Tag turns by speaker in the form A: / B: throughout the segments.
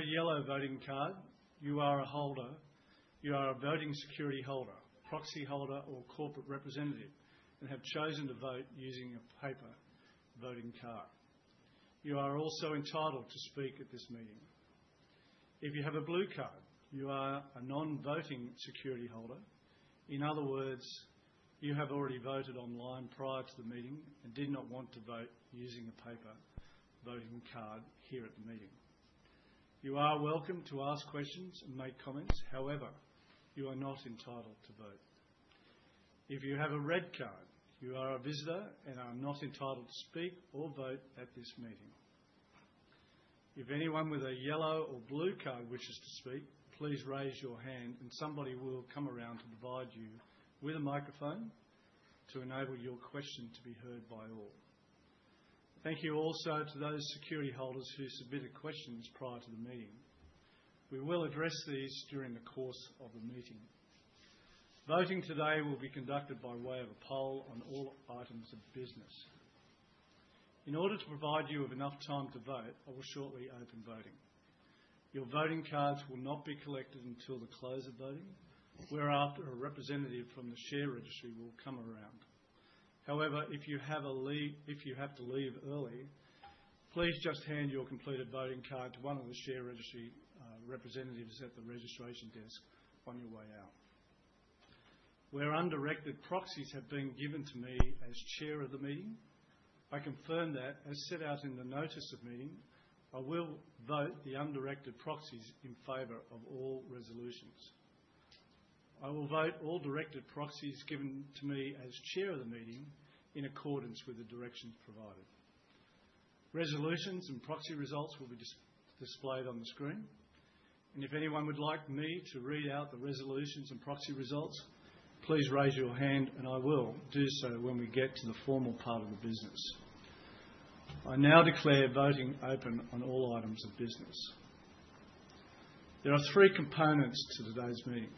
A: For yellow voting card, you are a holder. You are a voting security holder, proxy holder, or corporate representative, and have chosen to vote using a paper voting card. You are also entitled to speak at this meeting. If you have a blue card, you are a non-voting security holder. In other words, you have already voted online prior to the meeting and did not want to vote using a paper voting card here at the meeting. You are welcome to ask questions and make comments, however, you are not entitled to vote. If you have a red card, you are a visitor and are not entitled to speak or vote at this meeting. If anyone with a yellow or blue card wishes to speak, please raise your hand, and somebody will come around to provide you with a microphone to enable your question to be heard by all. Thank you also to those security holders who submitted questions prior to the meeting. We will address these during the course of the meeting. Voting today will be conducted by way of a poll on all items of business. In order to provide you with enough time to vote, I will shortly open voting. Your voting cards will not be collected until the close of voting, whereafter a representative from the share registry will come around. However, if you have to leave early, please just hand your completed voting card to one of the share registry representatives at the registration desk on your way out. Where undirected proxies have been given to me as Chair of the meeting, I confirm that, as set out in the notice of meeting, I will vote the undirected proxies in favor of all resolutions. I will vote all directed proxies given to me as Chair of the meeting in accordance with the directions provided. Resolutions and proxy results will be displayed on the screen, and if anyone would like me to read out the resolutions and proxy results, please raise your hand, and I will do so when we get to the formal part of the business. I now declare voting open on all items of business. There are three components to today's meeting.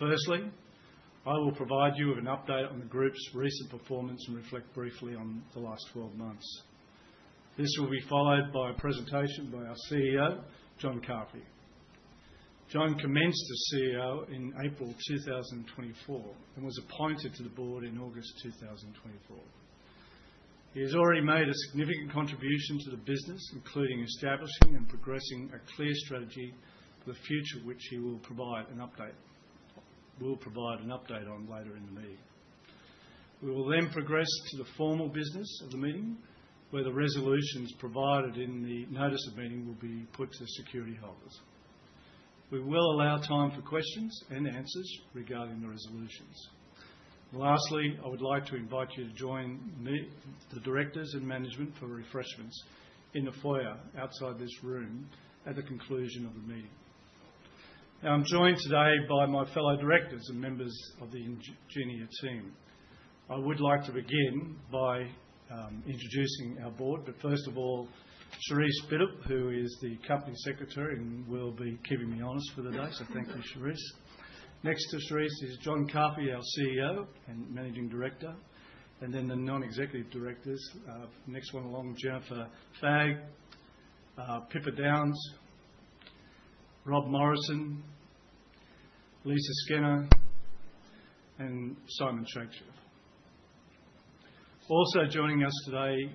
A: Firstly, I will provide you with an update on the group's recent performance and reflect briefly on the last 12 months. This will be followed by a presentation by our CEO, John Carfi. John commenced as CEO in April 2024 and was appointed to the board in August 2024. He has already made a significant contribution to the business, including establishing and progressing a clear strategy for the future, which he will provide an update on later in the meeting. We will then progress to the formal business of the meeting, where the resolutions provided in the notice of meeting will be put to the security holders. We will allow time for questions and answers regarding the resolutions. Lastly, I would like to invite you to join the directors and management for refreshments in the foyer outside this room at the conclusion of the meeting. I'm joined today by my fellow directors and members of the Ingenia team. I would like to begin by introducing our board, but first of all, Charisse Biddulph, who is the Company Secretary and will be keeping me honest for the day, so thank you, Charisse. Next to Charisse is John Carfi, our CEO and Managing Director, and then the non-executive directors. Next one along, Jennifer Fagg, Pippa Downes, Rob Morrison, Lisa Skinner, and Simon Shakespeare. Also joining us today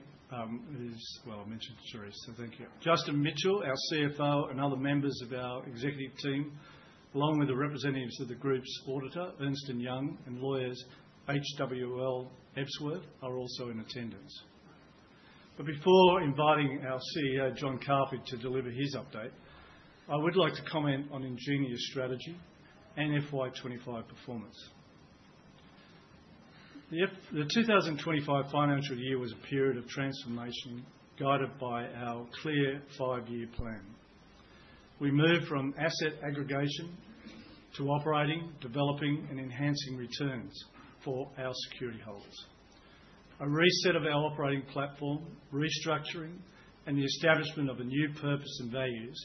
A: is, well, I mentioned Charisse, so thank you. Justin Mitchell, our CFO, and other members of our executive team, along with the representatives of the group's auditor, Ernst & Young, and lawyers HWL Ebsworth, are also in attendance. Before inviting our CEO, John Carfi, to deliver his update, I would like to comment on Ingenia's strategy and FY2025 performance. The 2025 financial year was a period of transformation guided by our clear five-year plan. We moved from asset aggregation to operating, developing, and enhancing returns for our security holders. A reset of our operating platform, restructuring, and the establishment of a new purpose and values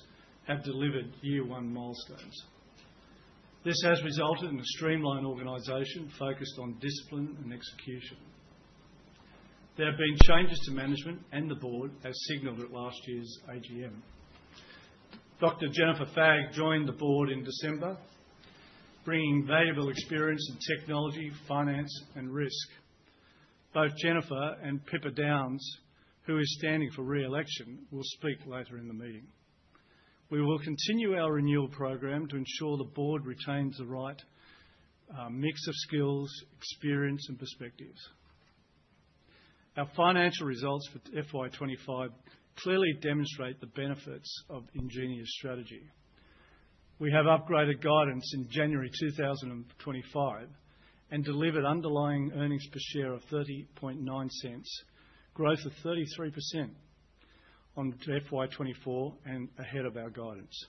A: have delivered year-one milestones. This has resulted in a streamlined organization focused on discipline and execution. There have been changes to management and the board, as signaled at last year's AGM. Dr. Jennifer Fagg joined the board in December, bringing valuable experience in technology, finance, and risk. Both Jennifer and Pippa Downes, who is standing for re-election, will speak later in the meeting. We will continue our renewal program to ensure the board retains the right mix of skills, experience, and perspectives. Our financial results for FY2025 clearly demonstrate the benefits of Ingenia's strategy. We have upgraded guidance in January 2025 and delivered underlying earnings per share of 0.309, growth of 33% on FY2024 and ahead of our guidance.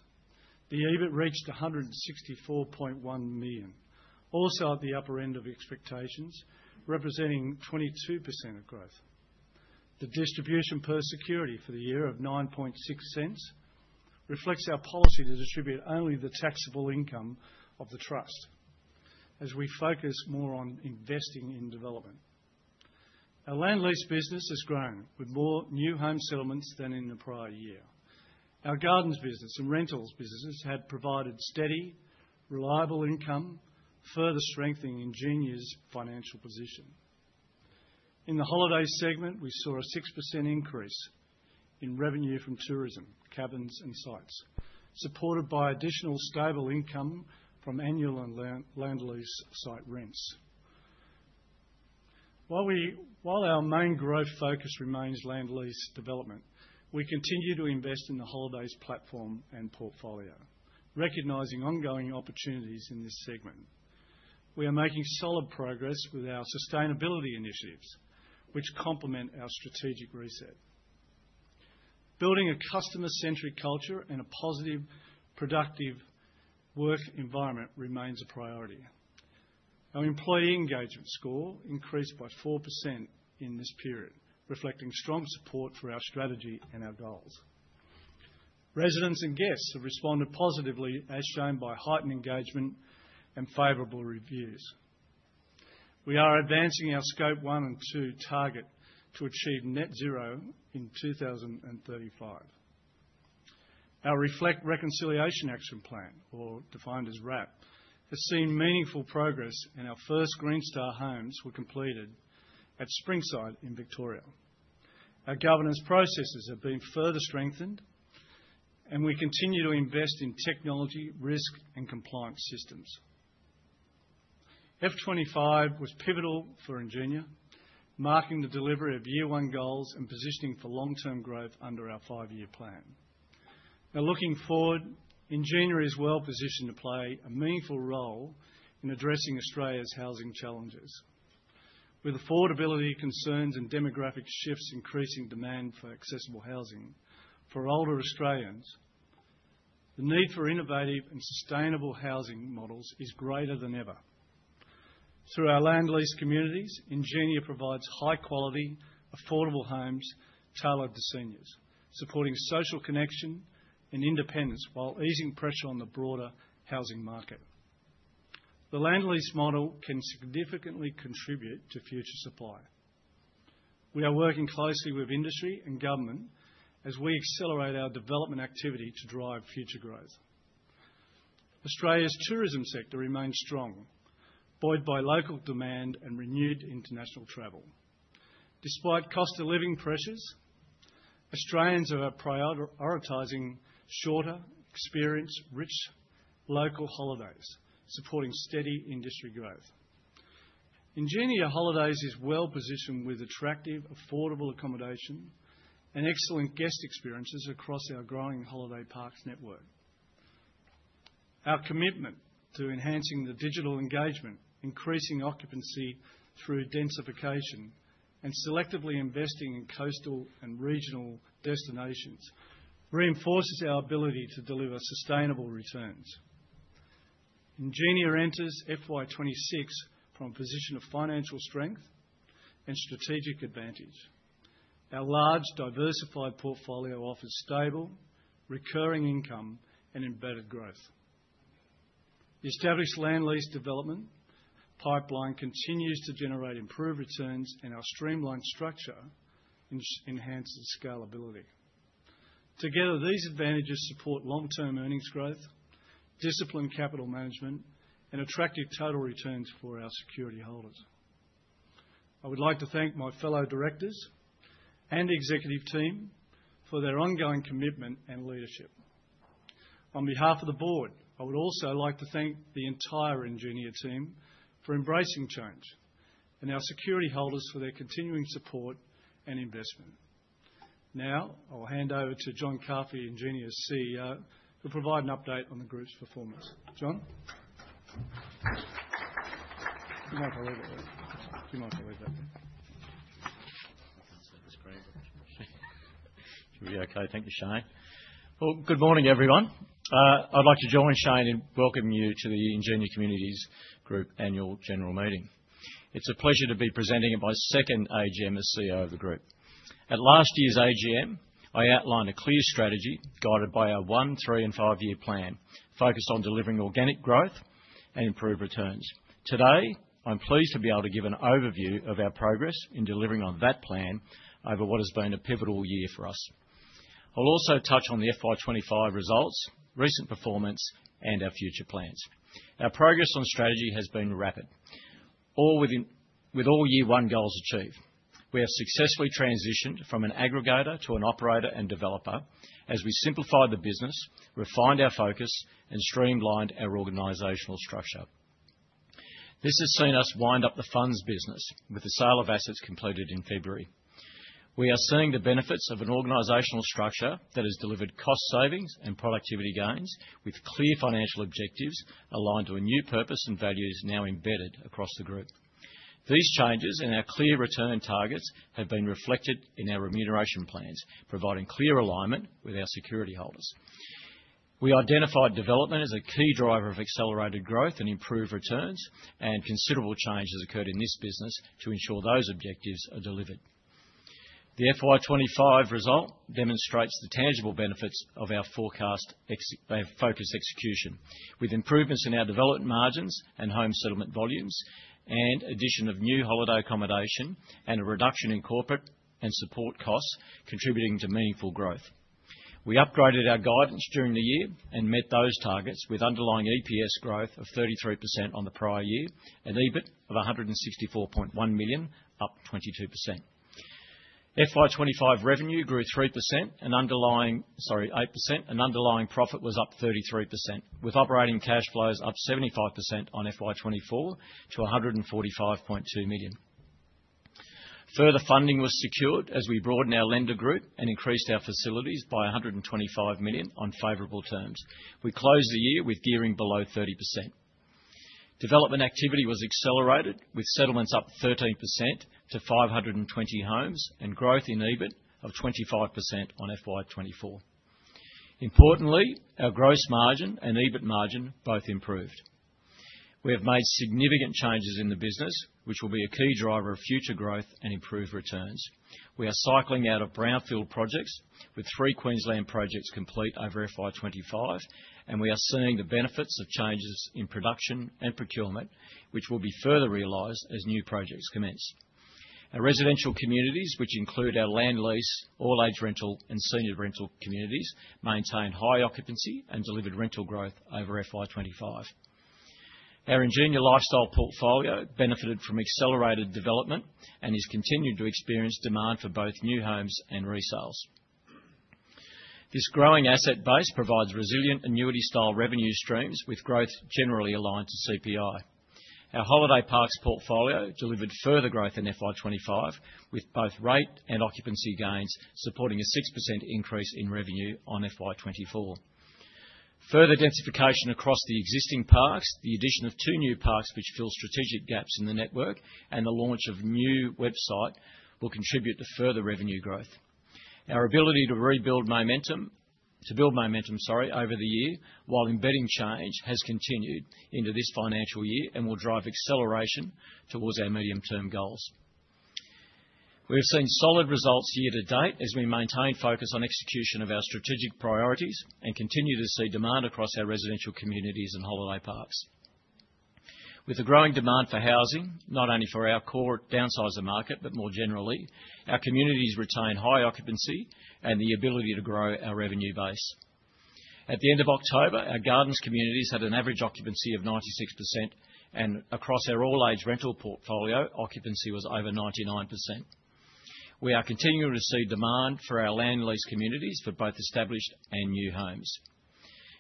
A: The EBIT reached 164.1 million, also at the upper end of expectations, representing 22% of growth. The distribution per security for the year of 0.096 reflects our policy to distribute only the taxable income of the trust as we focus more on investing in development. Our land lease business has grown with more new home settlements than in the prior year. Our gardens business and rentals businesses have provided steady, reliable income, further strengthening Ingenia's financial position. In the holiday segment, we saw a 6% increase in revenue from tourism, cabins, and sites, supported by additional stable income from annual and land lease site rents. While our main growth focus remains land lease development, we continue to invest in the holidays platform and portfolio, recognising ongoing opportunities in this segment. We are making solid progress with our sustainability initiatives, which complement our strategic reset. Building a customer-centric culture and a positive, productive work environment remains a priority. Our employee engagement score increased by 4% in this period, reflecting strong support for our strategy and our goals. Residents and guests have responded positively, as shown by heightened engagement and favorable reviews. We are advancing our Scope One and Two target to achieve net zero in 2035. Our Reconciliation Action Plan, or defined as RAP, has seen meaningful progress, and our first Green Star Homes were completed at Springside in Victoria. Our governance processes have been further strengthened, and we continue to invest in technology, risk, and compliance systems. FY2025 was pivotal for Ingenia, marking the delivery of year-one goals and positioning for long-term growth under our five-year plan. Looking forward, Ingenia is well positioned to play a meaningful role in addressing Australia's housing challenges. With affordability concerns and demographic shifts increasing demand for accessible housing for older Australians, the need for innovative and sustainable housing models is greater than ever. Through our land lease communities, Ingenia provides high-quality, affordable homes tailored to seniors, supporting social connection and independence while easing pressure on the broader housing market. The land lease model can significantly contribute to future supply. We are working closely with industry and government as we accelerate our development activity to drive future growth. Australia's tourism sector remains strong, buoyed by local demand and renewed international travel. Despite cost-of-living pressures, Australians are prioritizing shorter, experience-rich local holidays, supporting steady industry growth. Ingenia Holidays is well positioned with attractive, affordable accommodation and excellent guest experiences across our growing holiday parks network. Our commitment to enhancing the digital engagement, increasing occupancy through densification, and selectively investing in coastal and regional destinations reinforces our ability to deliver sustainable returns. Ingenia enters FY26 from a position of financial strength and strategic advantage. Our large, diversified portfolio offers stable, recurring income and embedded growth. The established land lease development pipeline continues to generate improved returns, and our streamlined structure enhances scalability. Together, these advantages support long-term earnings growth, disciplined capital management, and attractive total returns for our security holders. I would like to thank my fellow directors and executive team for their ongoing commitment and leadership. On behalf of the board, I would also like to thank the entire Ingenia team for embracing change and our security holders for their continuing support and investment. Now, I will hand over to John Carfi, Ingenia's CEO, to provide an update on the group's performance. John? You might have to leave that there.
B: That's great. Should we be okay? Thank you, Shane. Good morning, everyone. I'd like to join Shane in welcoming you to the Ingenia Communities Group annual general meeting. It's a pleasure to be presenting at my second AGM as CEO of the group. At last year's AGM, I outlined a clear strategy guided by our one, three, and five-year plan focused on delivering organic growth and improved returns. Today, I'm pleased to be able to give an overview of our progress in delivering on that plan over what has been a pivotal year for us. I'll also touch on the FY2025 results, recent performance, and our future plans. Our progress on strategy has been rapid, with all year-one goals achieved. We have successfully transitioned from an aggregator to an operator and developer as we simplified the business, refined our focus, and streamlined our organizational structure. This has seen us wind up the funds business, with the sale of assets completed in February. We are seeing the benefits of an organizational structure that has delivered cost savings and productivity gains with clear financial objectives aligned to a new purpose and values now embedded across the group. These changes and our clear return targets have been reflected in our remuneration plans, providing clear alignment with our security holders. We identified development as a key driver of accelerated growth and improved returns, and considerable changes occurred in this business to ensure those objectives are delivered. The FY2025 result demonstrates the tangible benefits of our forecast focused execution, with improvements in our development margins and home settlement volumes, and addition of new holiday accommodation and a reduction in corporate and support costs contributing to meaningful growth. We upgraded our guidance during the year and met those targets with underlying EPS growth of 33% on the prior year and EBIT of 164.1 million, up 22%. FY2025 revenue grew 8%, and underlying profit was up 33%, with operating cash flows up 75% on FY2024 to 145.2 million. Further funding was secured as we broadened our lender group and increased our facilities by 125 million on favorable terms. We closed the year with gearing below 30%. Development activity was accelerated, with settlements up 13% to 520 homes and growth in EBIT of 25% on FY2024. Importantly, our gross margin and EBIT margin both improved. We have made significant changes in the business, which will be a key driver of future growth and improved returns. We are cycling out of brownfield projects, with three Queensland projects complete over FY2025, and we are seeing the benefits of changes in production and procurement, which will be further realized as new projects commence. Our residential communities, which include our land lease, all-age rental, and senior rental communities, maintain high occupancy and delivered rental growth over FY2025. Our Ingenia lifestyle portfolio benefited from accelerated development and has continued to experience demand for both new homes and resales. This growing asset base provides resilient annuity-style revenue streams, with growth generally aligned to CPI. Our holiday parks portfolio delivered further growth in FY2025, with both rate and occupancy gains supporting a 6% increase in revenue on FY2024. Further densification across the existing parks, the addition of two new parks, which fill strategic gaps in the network, and the launch of a new website will contribute to further revenue growth. Our ability to build momentum over the year while embedding change has continued into this financial year and will drive acceleration towards our medium-term goals. We have seen solid results year to date as we maintain focus on execution of our strategic priorities and continue to see demand across our residential communities and holiday parks. With the growing demand for housing, not only for our core downsizer market but more generally, our communities retain high occupancy and the ability to grow our revenue base. At the end of October, our Gardens communities had an average occupancy of 96%, and across our All-Age Rental Portfolio, occupancy was over 99%. We are continuing to see demand for our Land Lease communities for both established and new homes.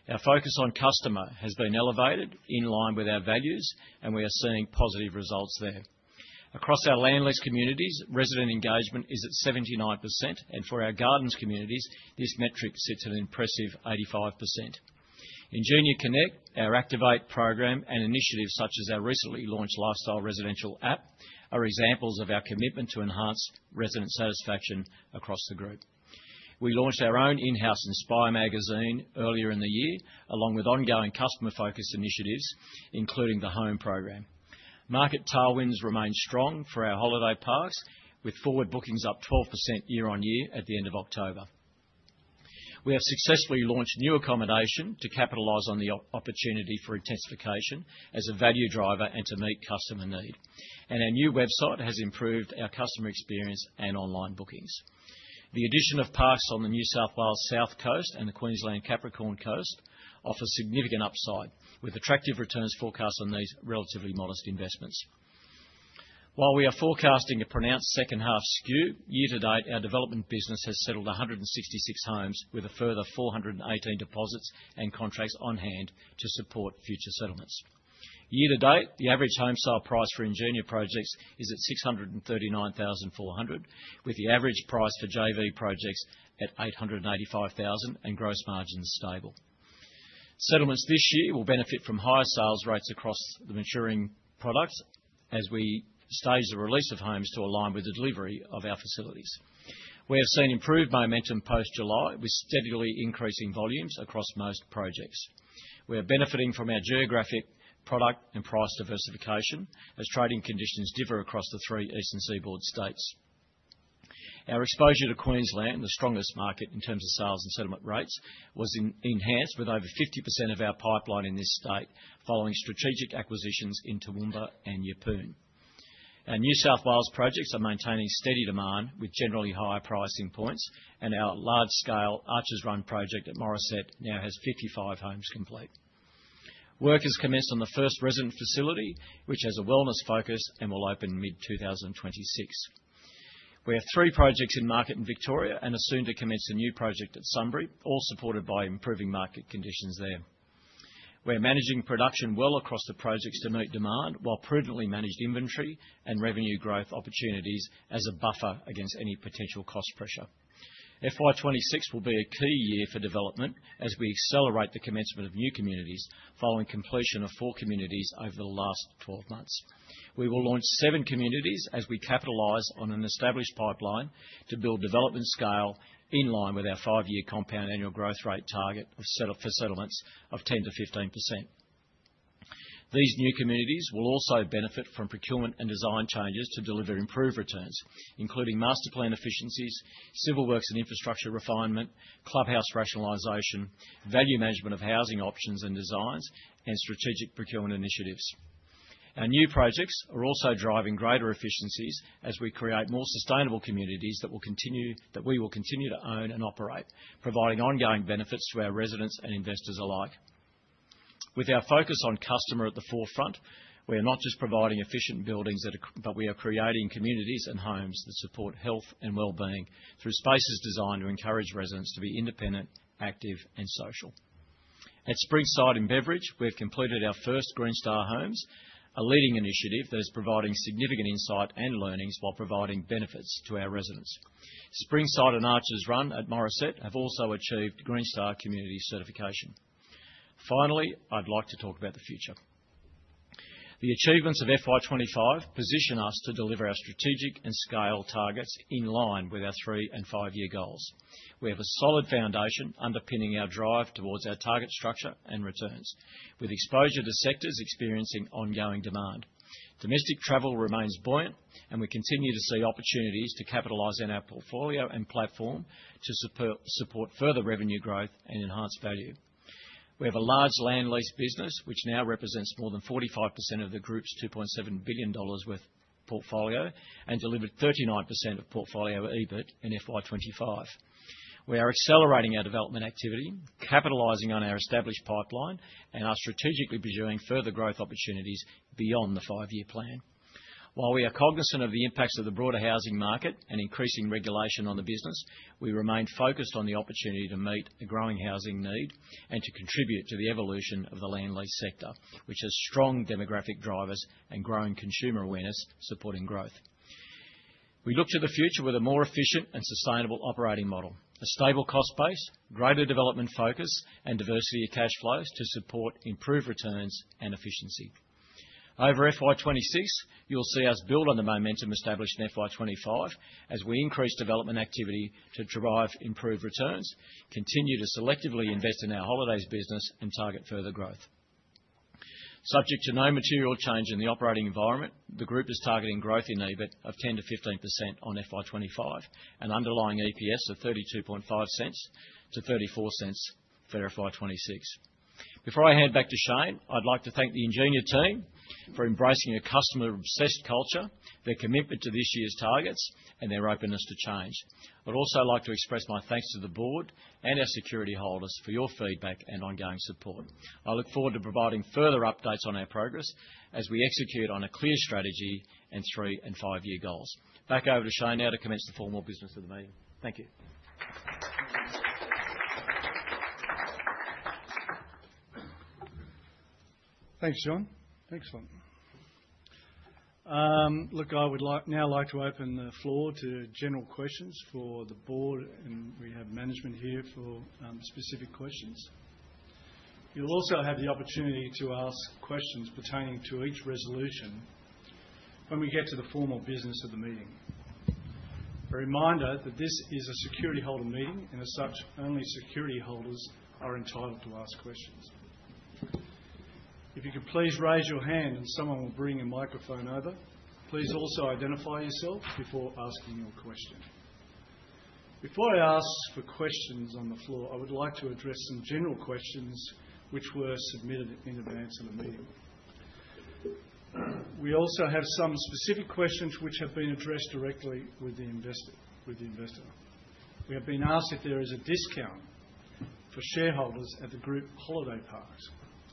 B: Our focus on customer has been elevated in line with our values, and we are seeing positive results there. Across our land lease communities, resident engagement is at 79%, and for our gardens communities, this metric sits at an impressive 85%. Ingenia Connect, our Activate program, and initiatives such as our recently launched Lifestyle Residential App are examples of our commitment to enhance resident satisfaction across the group. We launched our own in-house Inspire Magazine earlier in the year, along with ongoing customer-focused initiatives, including the Home Program. Market tailwinds remain strong for our holiday parks, with forward bookings up 12% year-on-year at the end of October. We have successfully launched new accommodation to capitalize on the opportunity for intensification as a value driver and to meet customer need, and our new website has improved our customer experience and online bookings. The addition of parks on the New South Wales South Coast and the Queensland Capricorn Coast offers significant upside, with attractive returns forecast on these relatively modest investments. While we are forecasting a pronounced second-half skew, year-to-date, our development business has settled 166 homes with a further 418 deposits and contracts on hand to support future settlements. Year-to-date, the average home sale price for Ingenia projects is at 639,400, with the average price for JV projects at 885,000 and gross margins stable. Settlements this year will benefit from higher sales rates across the maturing products as we stage the release of homes to align with the delivery of our facilities. We have seen improved momentum post-July, with steadily increasing volumes across most projects. We are benefiting from our geographic, product, and price diversification as trading conditions differ across the three eastern seaboard states. Our exposure to Queensland, the strongest market in terms of sales and settlement rates, was enhanced with over 50% of our pipeline in this state following strategic acquisitions into Toowoomba and Yeppoon. Our New South Wales projects are maintaining steady demand with generally high pricing points, and our large-scale Archers Run project at Morisset now has 55 homes complete. Work has commenced on the first resident facility, which has a wellness focus and will open mid-2026. We have three projects in market in Victoria and are soon to commence a new project at Sunbury, all supported by improving market conditions there. We are managing production well across the projects to meet demand while prudently managing inventory and revenue growth opportunities as a buffer against any potential cost pressure. FY2026 will be a key year for development as we accelerate the commencement of new communities following completion of four communities over the last 12 months. We will launch seven communities as we capitalize on an established pipeline to build development scale in line with our five-year compound annual growth rate target for settlements of 10%-15%. These new communities will also benefit from procurement and design changes to deliver improved returns, including master plan efficiencies, civil works and infrastructure refinement, clubhouse rationalization, value management of housing options and designs, and strategic procurement initiatives. Our new projects are also driving greater efficiencies as we create more sustainable communities that we will continue to own and operate, providing ongoing benefits to our residents and investors alike. With our focus on customer at the forefront, we are not just providing efficient buildings, but we are creating communities and homes that support health and wellbeing through spaces designed to encourage residents to be independent, active, and social. At Springside in Beveridge, we have completed our first Green Star Homes, a leading initiative that is providing significant insight and learnings while providing benefits to our residents. Springside and Archers Run at Morisset have also achieved Green Star Community Certification. Finally, I'd like to talk about the future. The achievements of FY2025 position us to deliver our strategic and scale targets in line with our three and five-year goals. We have a solid foundation underpinning our drive towards our target structure and returns, with exposure to sectors experiencing ongoing demand. Domestic travel remains buoyant, and we continue to see opportunities to capitalize in our portfolio and platform to support further revenue growth and enhance value. We have a large land lease business, which now represents more than 45% of the group's 2.7 billion dollars worth portfolio and delivered 39% of portfolio EBIT in FY2025. We are accelerating our development activity, capitalizing on our established pipeline, and are strategically pursuing further growth opportunities beyond the five-year plan. While we are cognizant of the impacts of the broader housing market and increasing regulation on the business, we remain focused on the opportunity to meet a growing housing need and to contribute to the evolution of the land lease sector, which has strong demographic drivers and growing consumer awareness supporting growth. We look to the future with a more efficient and sustainable operating model, a stable cost base, greater development focus, and diversity of cash flows to support improved returns and efficiency. Over FY2026, you'll see us build on the momentum established in FY2025 as we increase development activity to derive improved returns, continue to selectively invest in our holidays business, and target further growth. Subject to no material change in the operating environment, the group is targeting growth in EBIT of 10%-15% on FY2025 and underlying EPS of 0.325-0.34 for FY2026. Before I hand back to Shane, I'd like to thank the Ingenia team for embracing a customer-obsessed culture, their commitment to this year's targets, and their openness to change. I'd also like to express my thanks to the board and our security holders for your feedback and ongoing support. I look forward to providing further updates on our progress as we execute on a clear strategy and three and five-year goals. Back over to Shane now to commence the formal business of the meeting. Thank you.
A: Thanks, John. Thanks, Rob. Look, I would now like to open the floor to general questions for the board, and we have management here for specific questions. You'll also have the opportunity to ask questions pertaining to each resolution when we get to the formal business of the meeting. A reminder that this is a security holder meeting, and as such, only security holders are entitled to ask questions. If you could please raise your hand, and someone will bring a microphone over. Please also identify yourself before asking your question. Before I ask for questions on the floor, I would like to address some general questions which were submitted in advance of the meeting. We also have some specific questions which have been addressed directly with the investor. We have been asked if there is a discount for shareholders at the group holiday parks.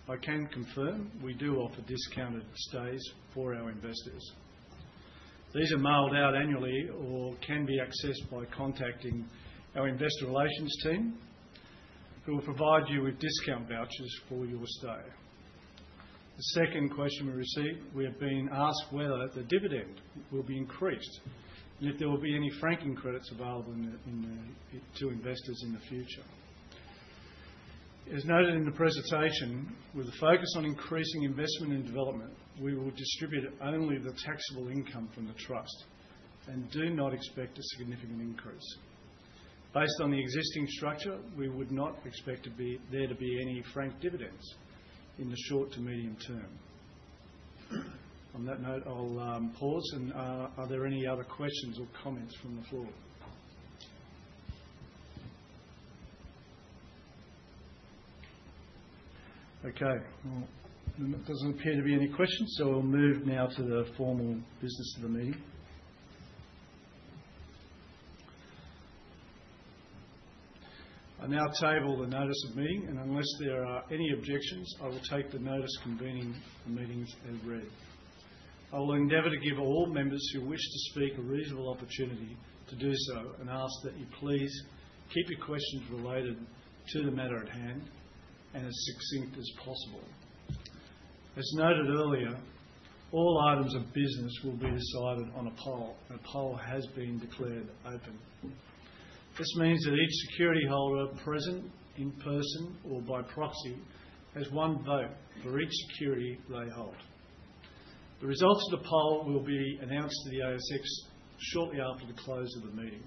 A: I can confirm we do offer discounted stays for our investors. These are mailed out annually or can be accessed by contacting our investor relations team, who will provide you with discount vouchers for your stay. The second question we received, we have been asked whether the dividend will be increased and if there will be any franking credits available to investors in the future. As noted in the presentation, with the focus on increasing investment and development, we will distribute only the taxable income from the trust and do not expect a significant increase. Based on the existing structure, we would not expect there to be any frank dividends in the short to medium term. On that note, I'll pause. Are there any other questions or comments from the floor? Okay. There does not appear to be any questions, so we will move now to the formal business of the meeting. I now table the notice of meeting, and unless there are any objections, I will take the notice convening the meetings as read. I will endeavor to give all members who wish to speak a reasonable opportunity to do so and ask that you please keep your questions related to the matter at hand and as succinct as possible. As noted earlier, all items of business will be decided on a poll, and a poll has been declared open. This means that each security holder present in person or by proxy has one vote for each security they hold. The results of the poll will be announced to the ASX shortly after the close of the meeting.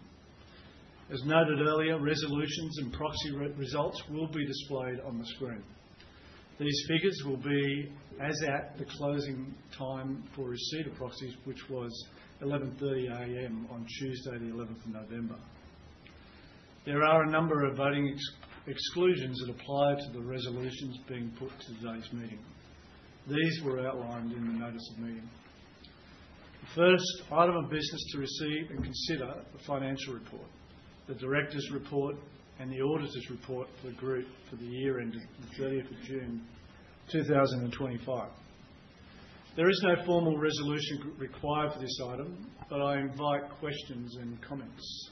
A: As noted earlier, resolutions and proxy results will be displayed on the screen. These figures will be as at the closing time for receipt of proxies, which was 11:30 A.M. on Tuesday, the 11th of November. There are a number of voting exclusions that apply to the resolutions being put to today's meeting. These were outlined in the notice of meeting. The first item of business to receive and consider is the financial report, the director's report, and the auditor's report for the group for the year ended the 30th of June 2025. There is no formal resolution required for this item, but I invite questions and comments.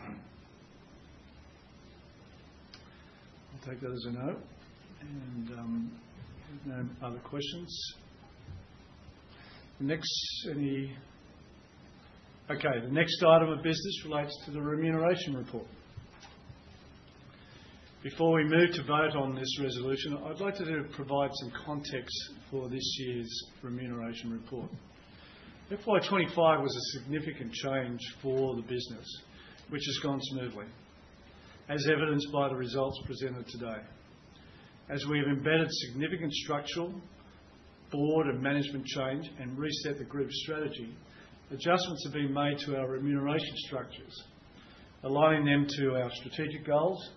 A: I'll take that as a note. There's no other questions. The next item of business relates to the remuneration report. Before we move to vote on this resolution, I'd like to provide some context for this year's remuneration report. FY2025 was a significant change for the business, which has gone smoothly, as evidenced by the results presented today. As we have embedded significant structural board and management change and reset the group strategy, adjustments have been made to our remuneration structures, aligning them to our strategic goals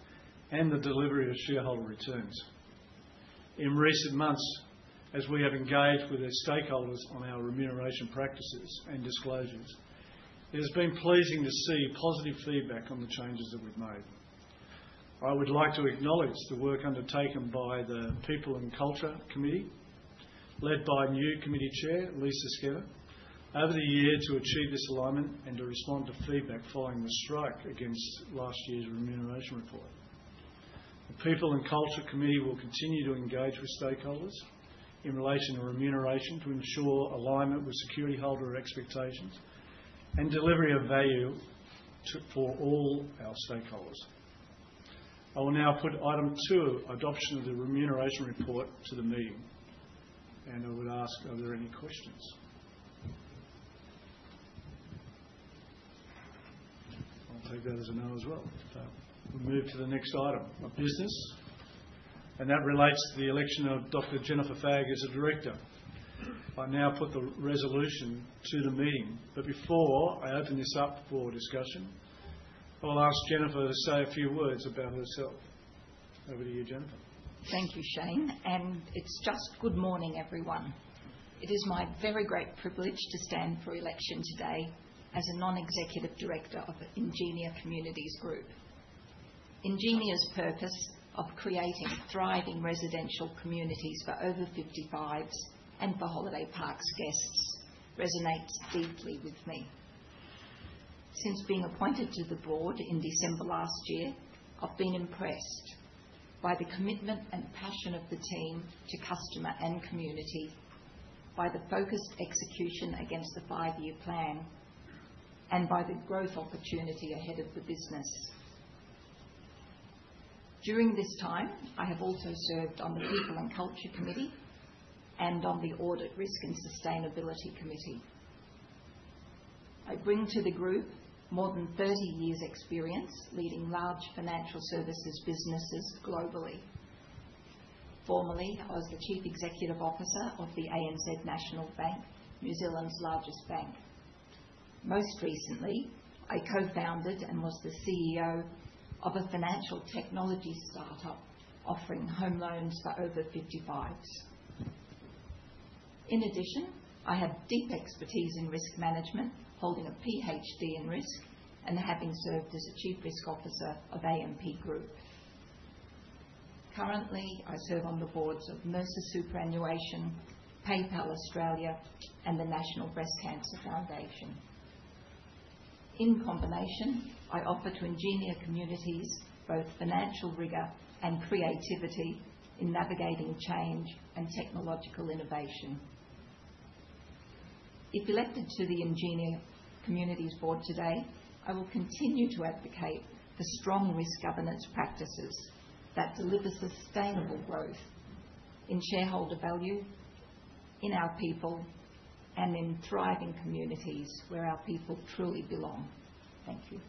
A: and the delivery of shareholder returns. In recent months, as we have engaged with our stakeholders on our remuneration practices and disclosures, it has been pleasing to see positive feedback on the changes that we've made. I would like to acknowledge the work undertaken by the People and Culture Committee, led by new committee chair, Lisa Skinner, over the year to achieve this alignment and to respond to feedback following the strike against last year's remuneration report. The People and Culture Committee will continue to engage with stakeholders in relation to remuneration to ensure alignment with security holder expectations and delivery of value for all our stakeholders. I will now put item two, adoption of the remuneration report, to the meeting. I would ask, are there any questions? I'll take that as a no as well. We will move to the next item of business, and that relates to the election of Dr. Jennifer Fagg as a director. I now put the resolution to the meeting. Before I open this up for discussion, I'll ask Jennifer to say a few words about herself. Over to you, Jennifer.
C: Thank you, Shane. Good morning, everyone. It is my very great privilege to stand for election today as a non-executive director of Ingenia Communities Group. Ingenia's purpose of creating thriving residential communities for over 55s and for holiday parks guests resonates deeply with me. Since being appointed to the board in December last year, I've been impressed by the commitment and passion of the team to customer and community, by the focused execution against the five-year plan, and by the growth opportunity ahead of the business. During this time, I have also served on the People and Culture Committee and on the Audit Risk and Sustainability Committee. I bring to the group more than 30 years' experience leading large financial services businesses globally. Formerly, I was the Chief Executive Officer of the ANZ National Bank, New Zealand's largest bank. Most recently, I co-founded and was the CEO of a financial technology startup offering home loans for over 55s. In addition, I have deep expertise in risk management, holding a PhD in risk, and having served as a Chief Risk Officer of AMP Group. Currently, I serve on the boards of Mercer Superannuation, PayPal Australia, and the National Breast Cancer Foundation. In combination, I offer to Ingenia Communities both financial rigor and creativity in navigating change and technological innovation. If elected to the Ingenia Communities Board today, I will continue to advocate for strong risk governance practices that deliver sustainable growth in shareholder value, in our people, and in thriving communities where our people truly belong. Thank you.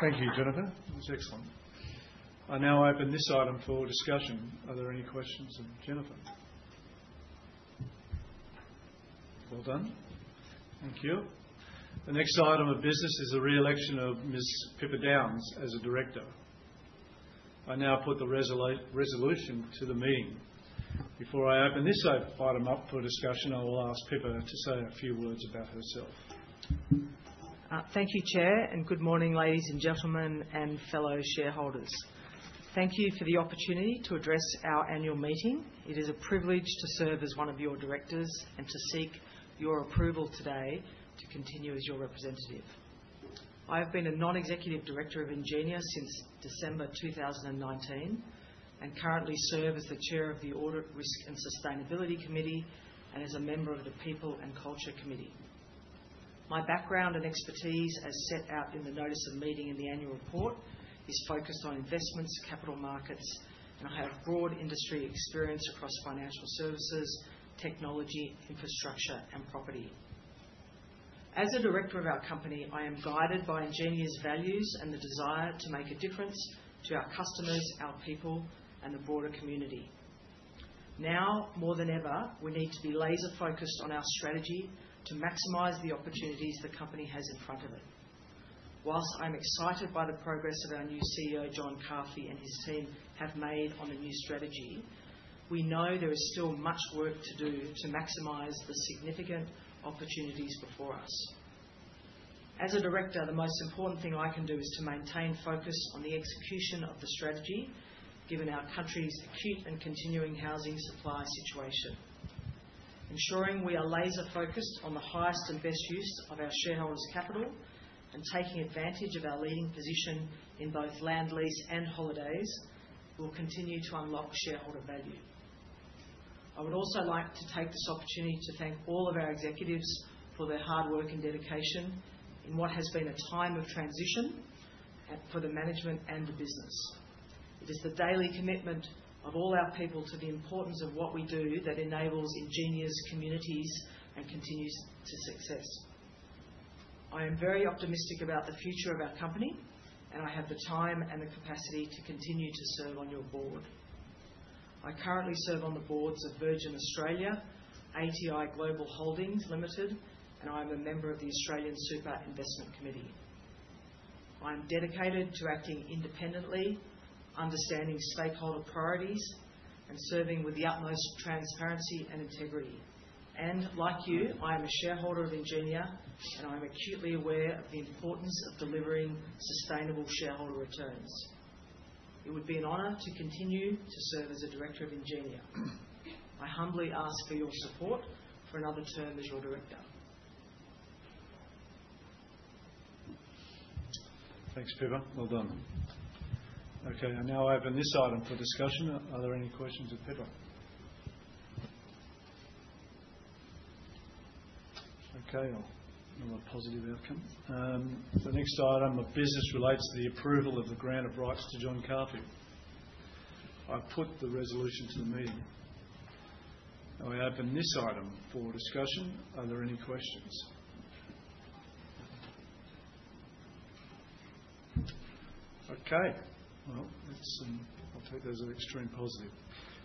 A: Thank you, Jennifer. That was excellent. I now open this item for discussion. Are there any questions? Jennifer? Well done. Thank you. The next item of business is the re-election of Ms. Pippa Downes as a director. I now put the resolution to the meeting. Before I open this item up for discussion, I will ask Pippa to say a few words about herself.
D: Thank you, Chair. Good morning, ladies and gentlemen, and fellow shareholders. Thank you for the opportunity to address our annual meeting. It is a privilege to serve as one of your directors and to seek your approval today to continue as your representative. I have been a non-executive director of Ingenia since December 2019 and currently serve as the Chair of the Audit Risk and Sustainability Committee and as a member of the People and Culture Committee. My background and expertise, as set out in the notice of meeting and the annual report, is focused on investments, capital markets, and I have broad industry experience across financial services, technology, infrastructure, and property. As a director of our company, I am guided by Ingenia's values and the desire to make a difference to our customers, our people, and the broader community. Now, more than ever, we need to be laser-focused on our strategy to maximize the opportunities the company has in front of it. Whilst I'm excited by the progress that our new CEO, John Carfi, and his team have made on the new strategy, we know there is still much work to do to maximize the significant opportunities before us. As a director, the most important thing I can do is to maintain focus on the execution of the strategy, given our country's acute and continuing housing supply situation. Ensuring we are laser-focused on the highest and best use of our shareholders' capital and taking advantage of our leading position in both land lease and holidays will continue to unlock shareholder value. I would also like to take this opportunity to thank all of our executives for their hard work and dedication in what has been a time of transition for the management and the business. It is the daily commitment of all our people to the importance of what we do that enables Ingenia Communities and continues to success. I am very optimistic about the future of our company, and I have the time and the capacity to continue to serve on your board. I currently serve on the boards of Virgin Australia, ATI Global Holdings Limited, and I am a member of the Australian Super Investment Committee. I am dedicated to acting independently, understanding stakeholder priorities, and serving with the utmost transparency and integrity. Like you, I am a shareholder of Ingenia, and I am acutely aware of the importance of delivering sustainable shareholder returns. It would be an honor to continue to serve as a director of Ingenia. I humbly ask for your support for another term as your director.
A: Thanks, Pippa. Well done. Okay. I now open this item for discussion. Are there any questions for Pippa? Okay. Another positive outcome. The next item of business relates to the approval of the grant of rights to John Carfi. I put the resolution to the meeting. I open this item for discussion. Are there any questions? Okay. I will take those as extreme positive.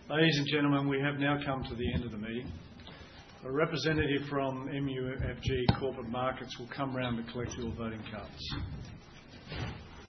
A: Ladies and gentlemen, we have now come to the end of the meeting. A representative from MUFG Corporate Markets will come round to collect your voting cards.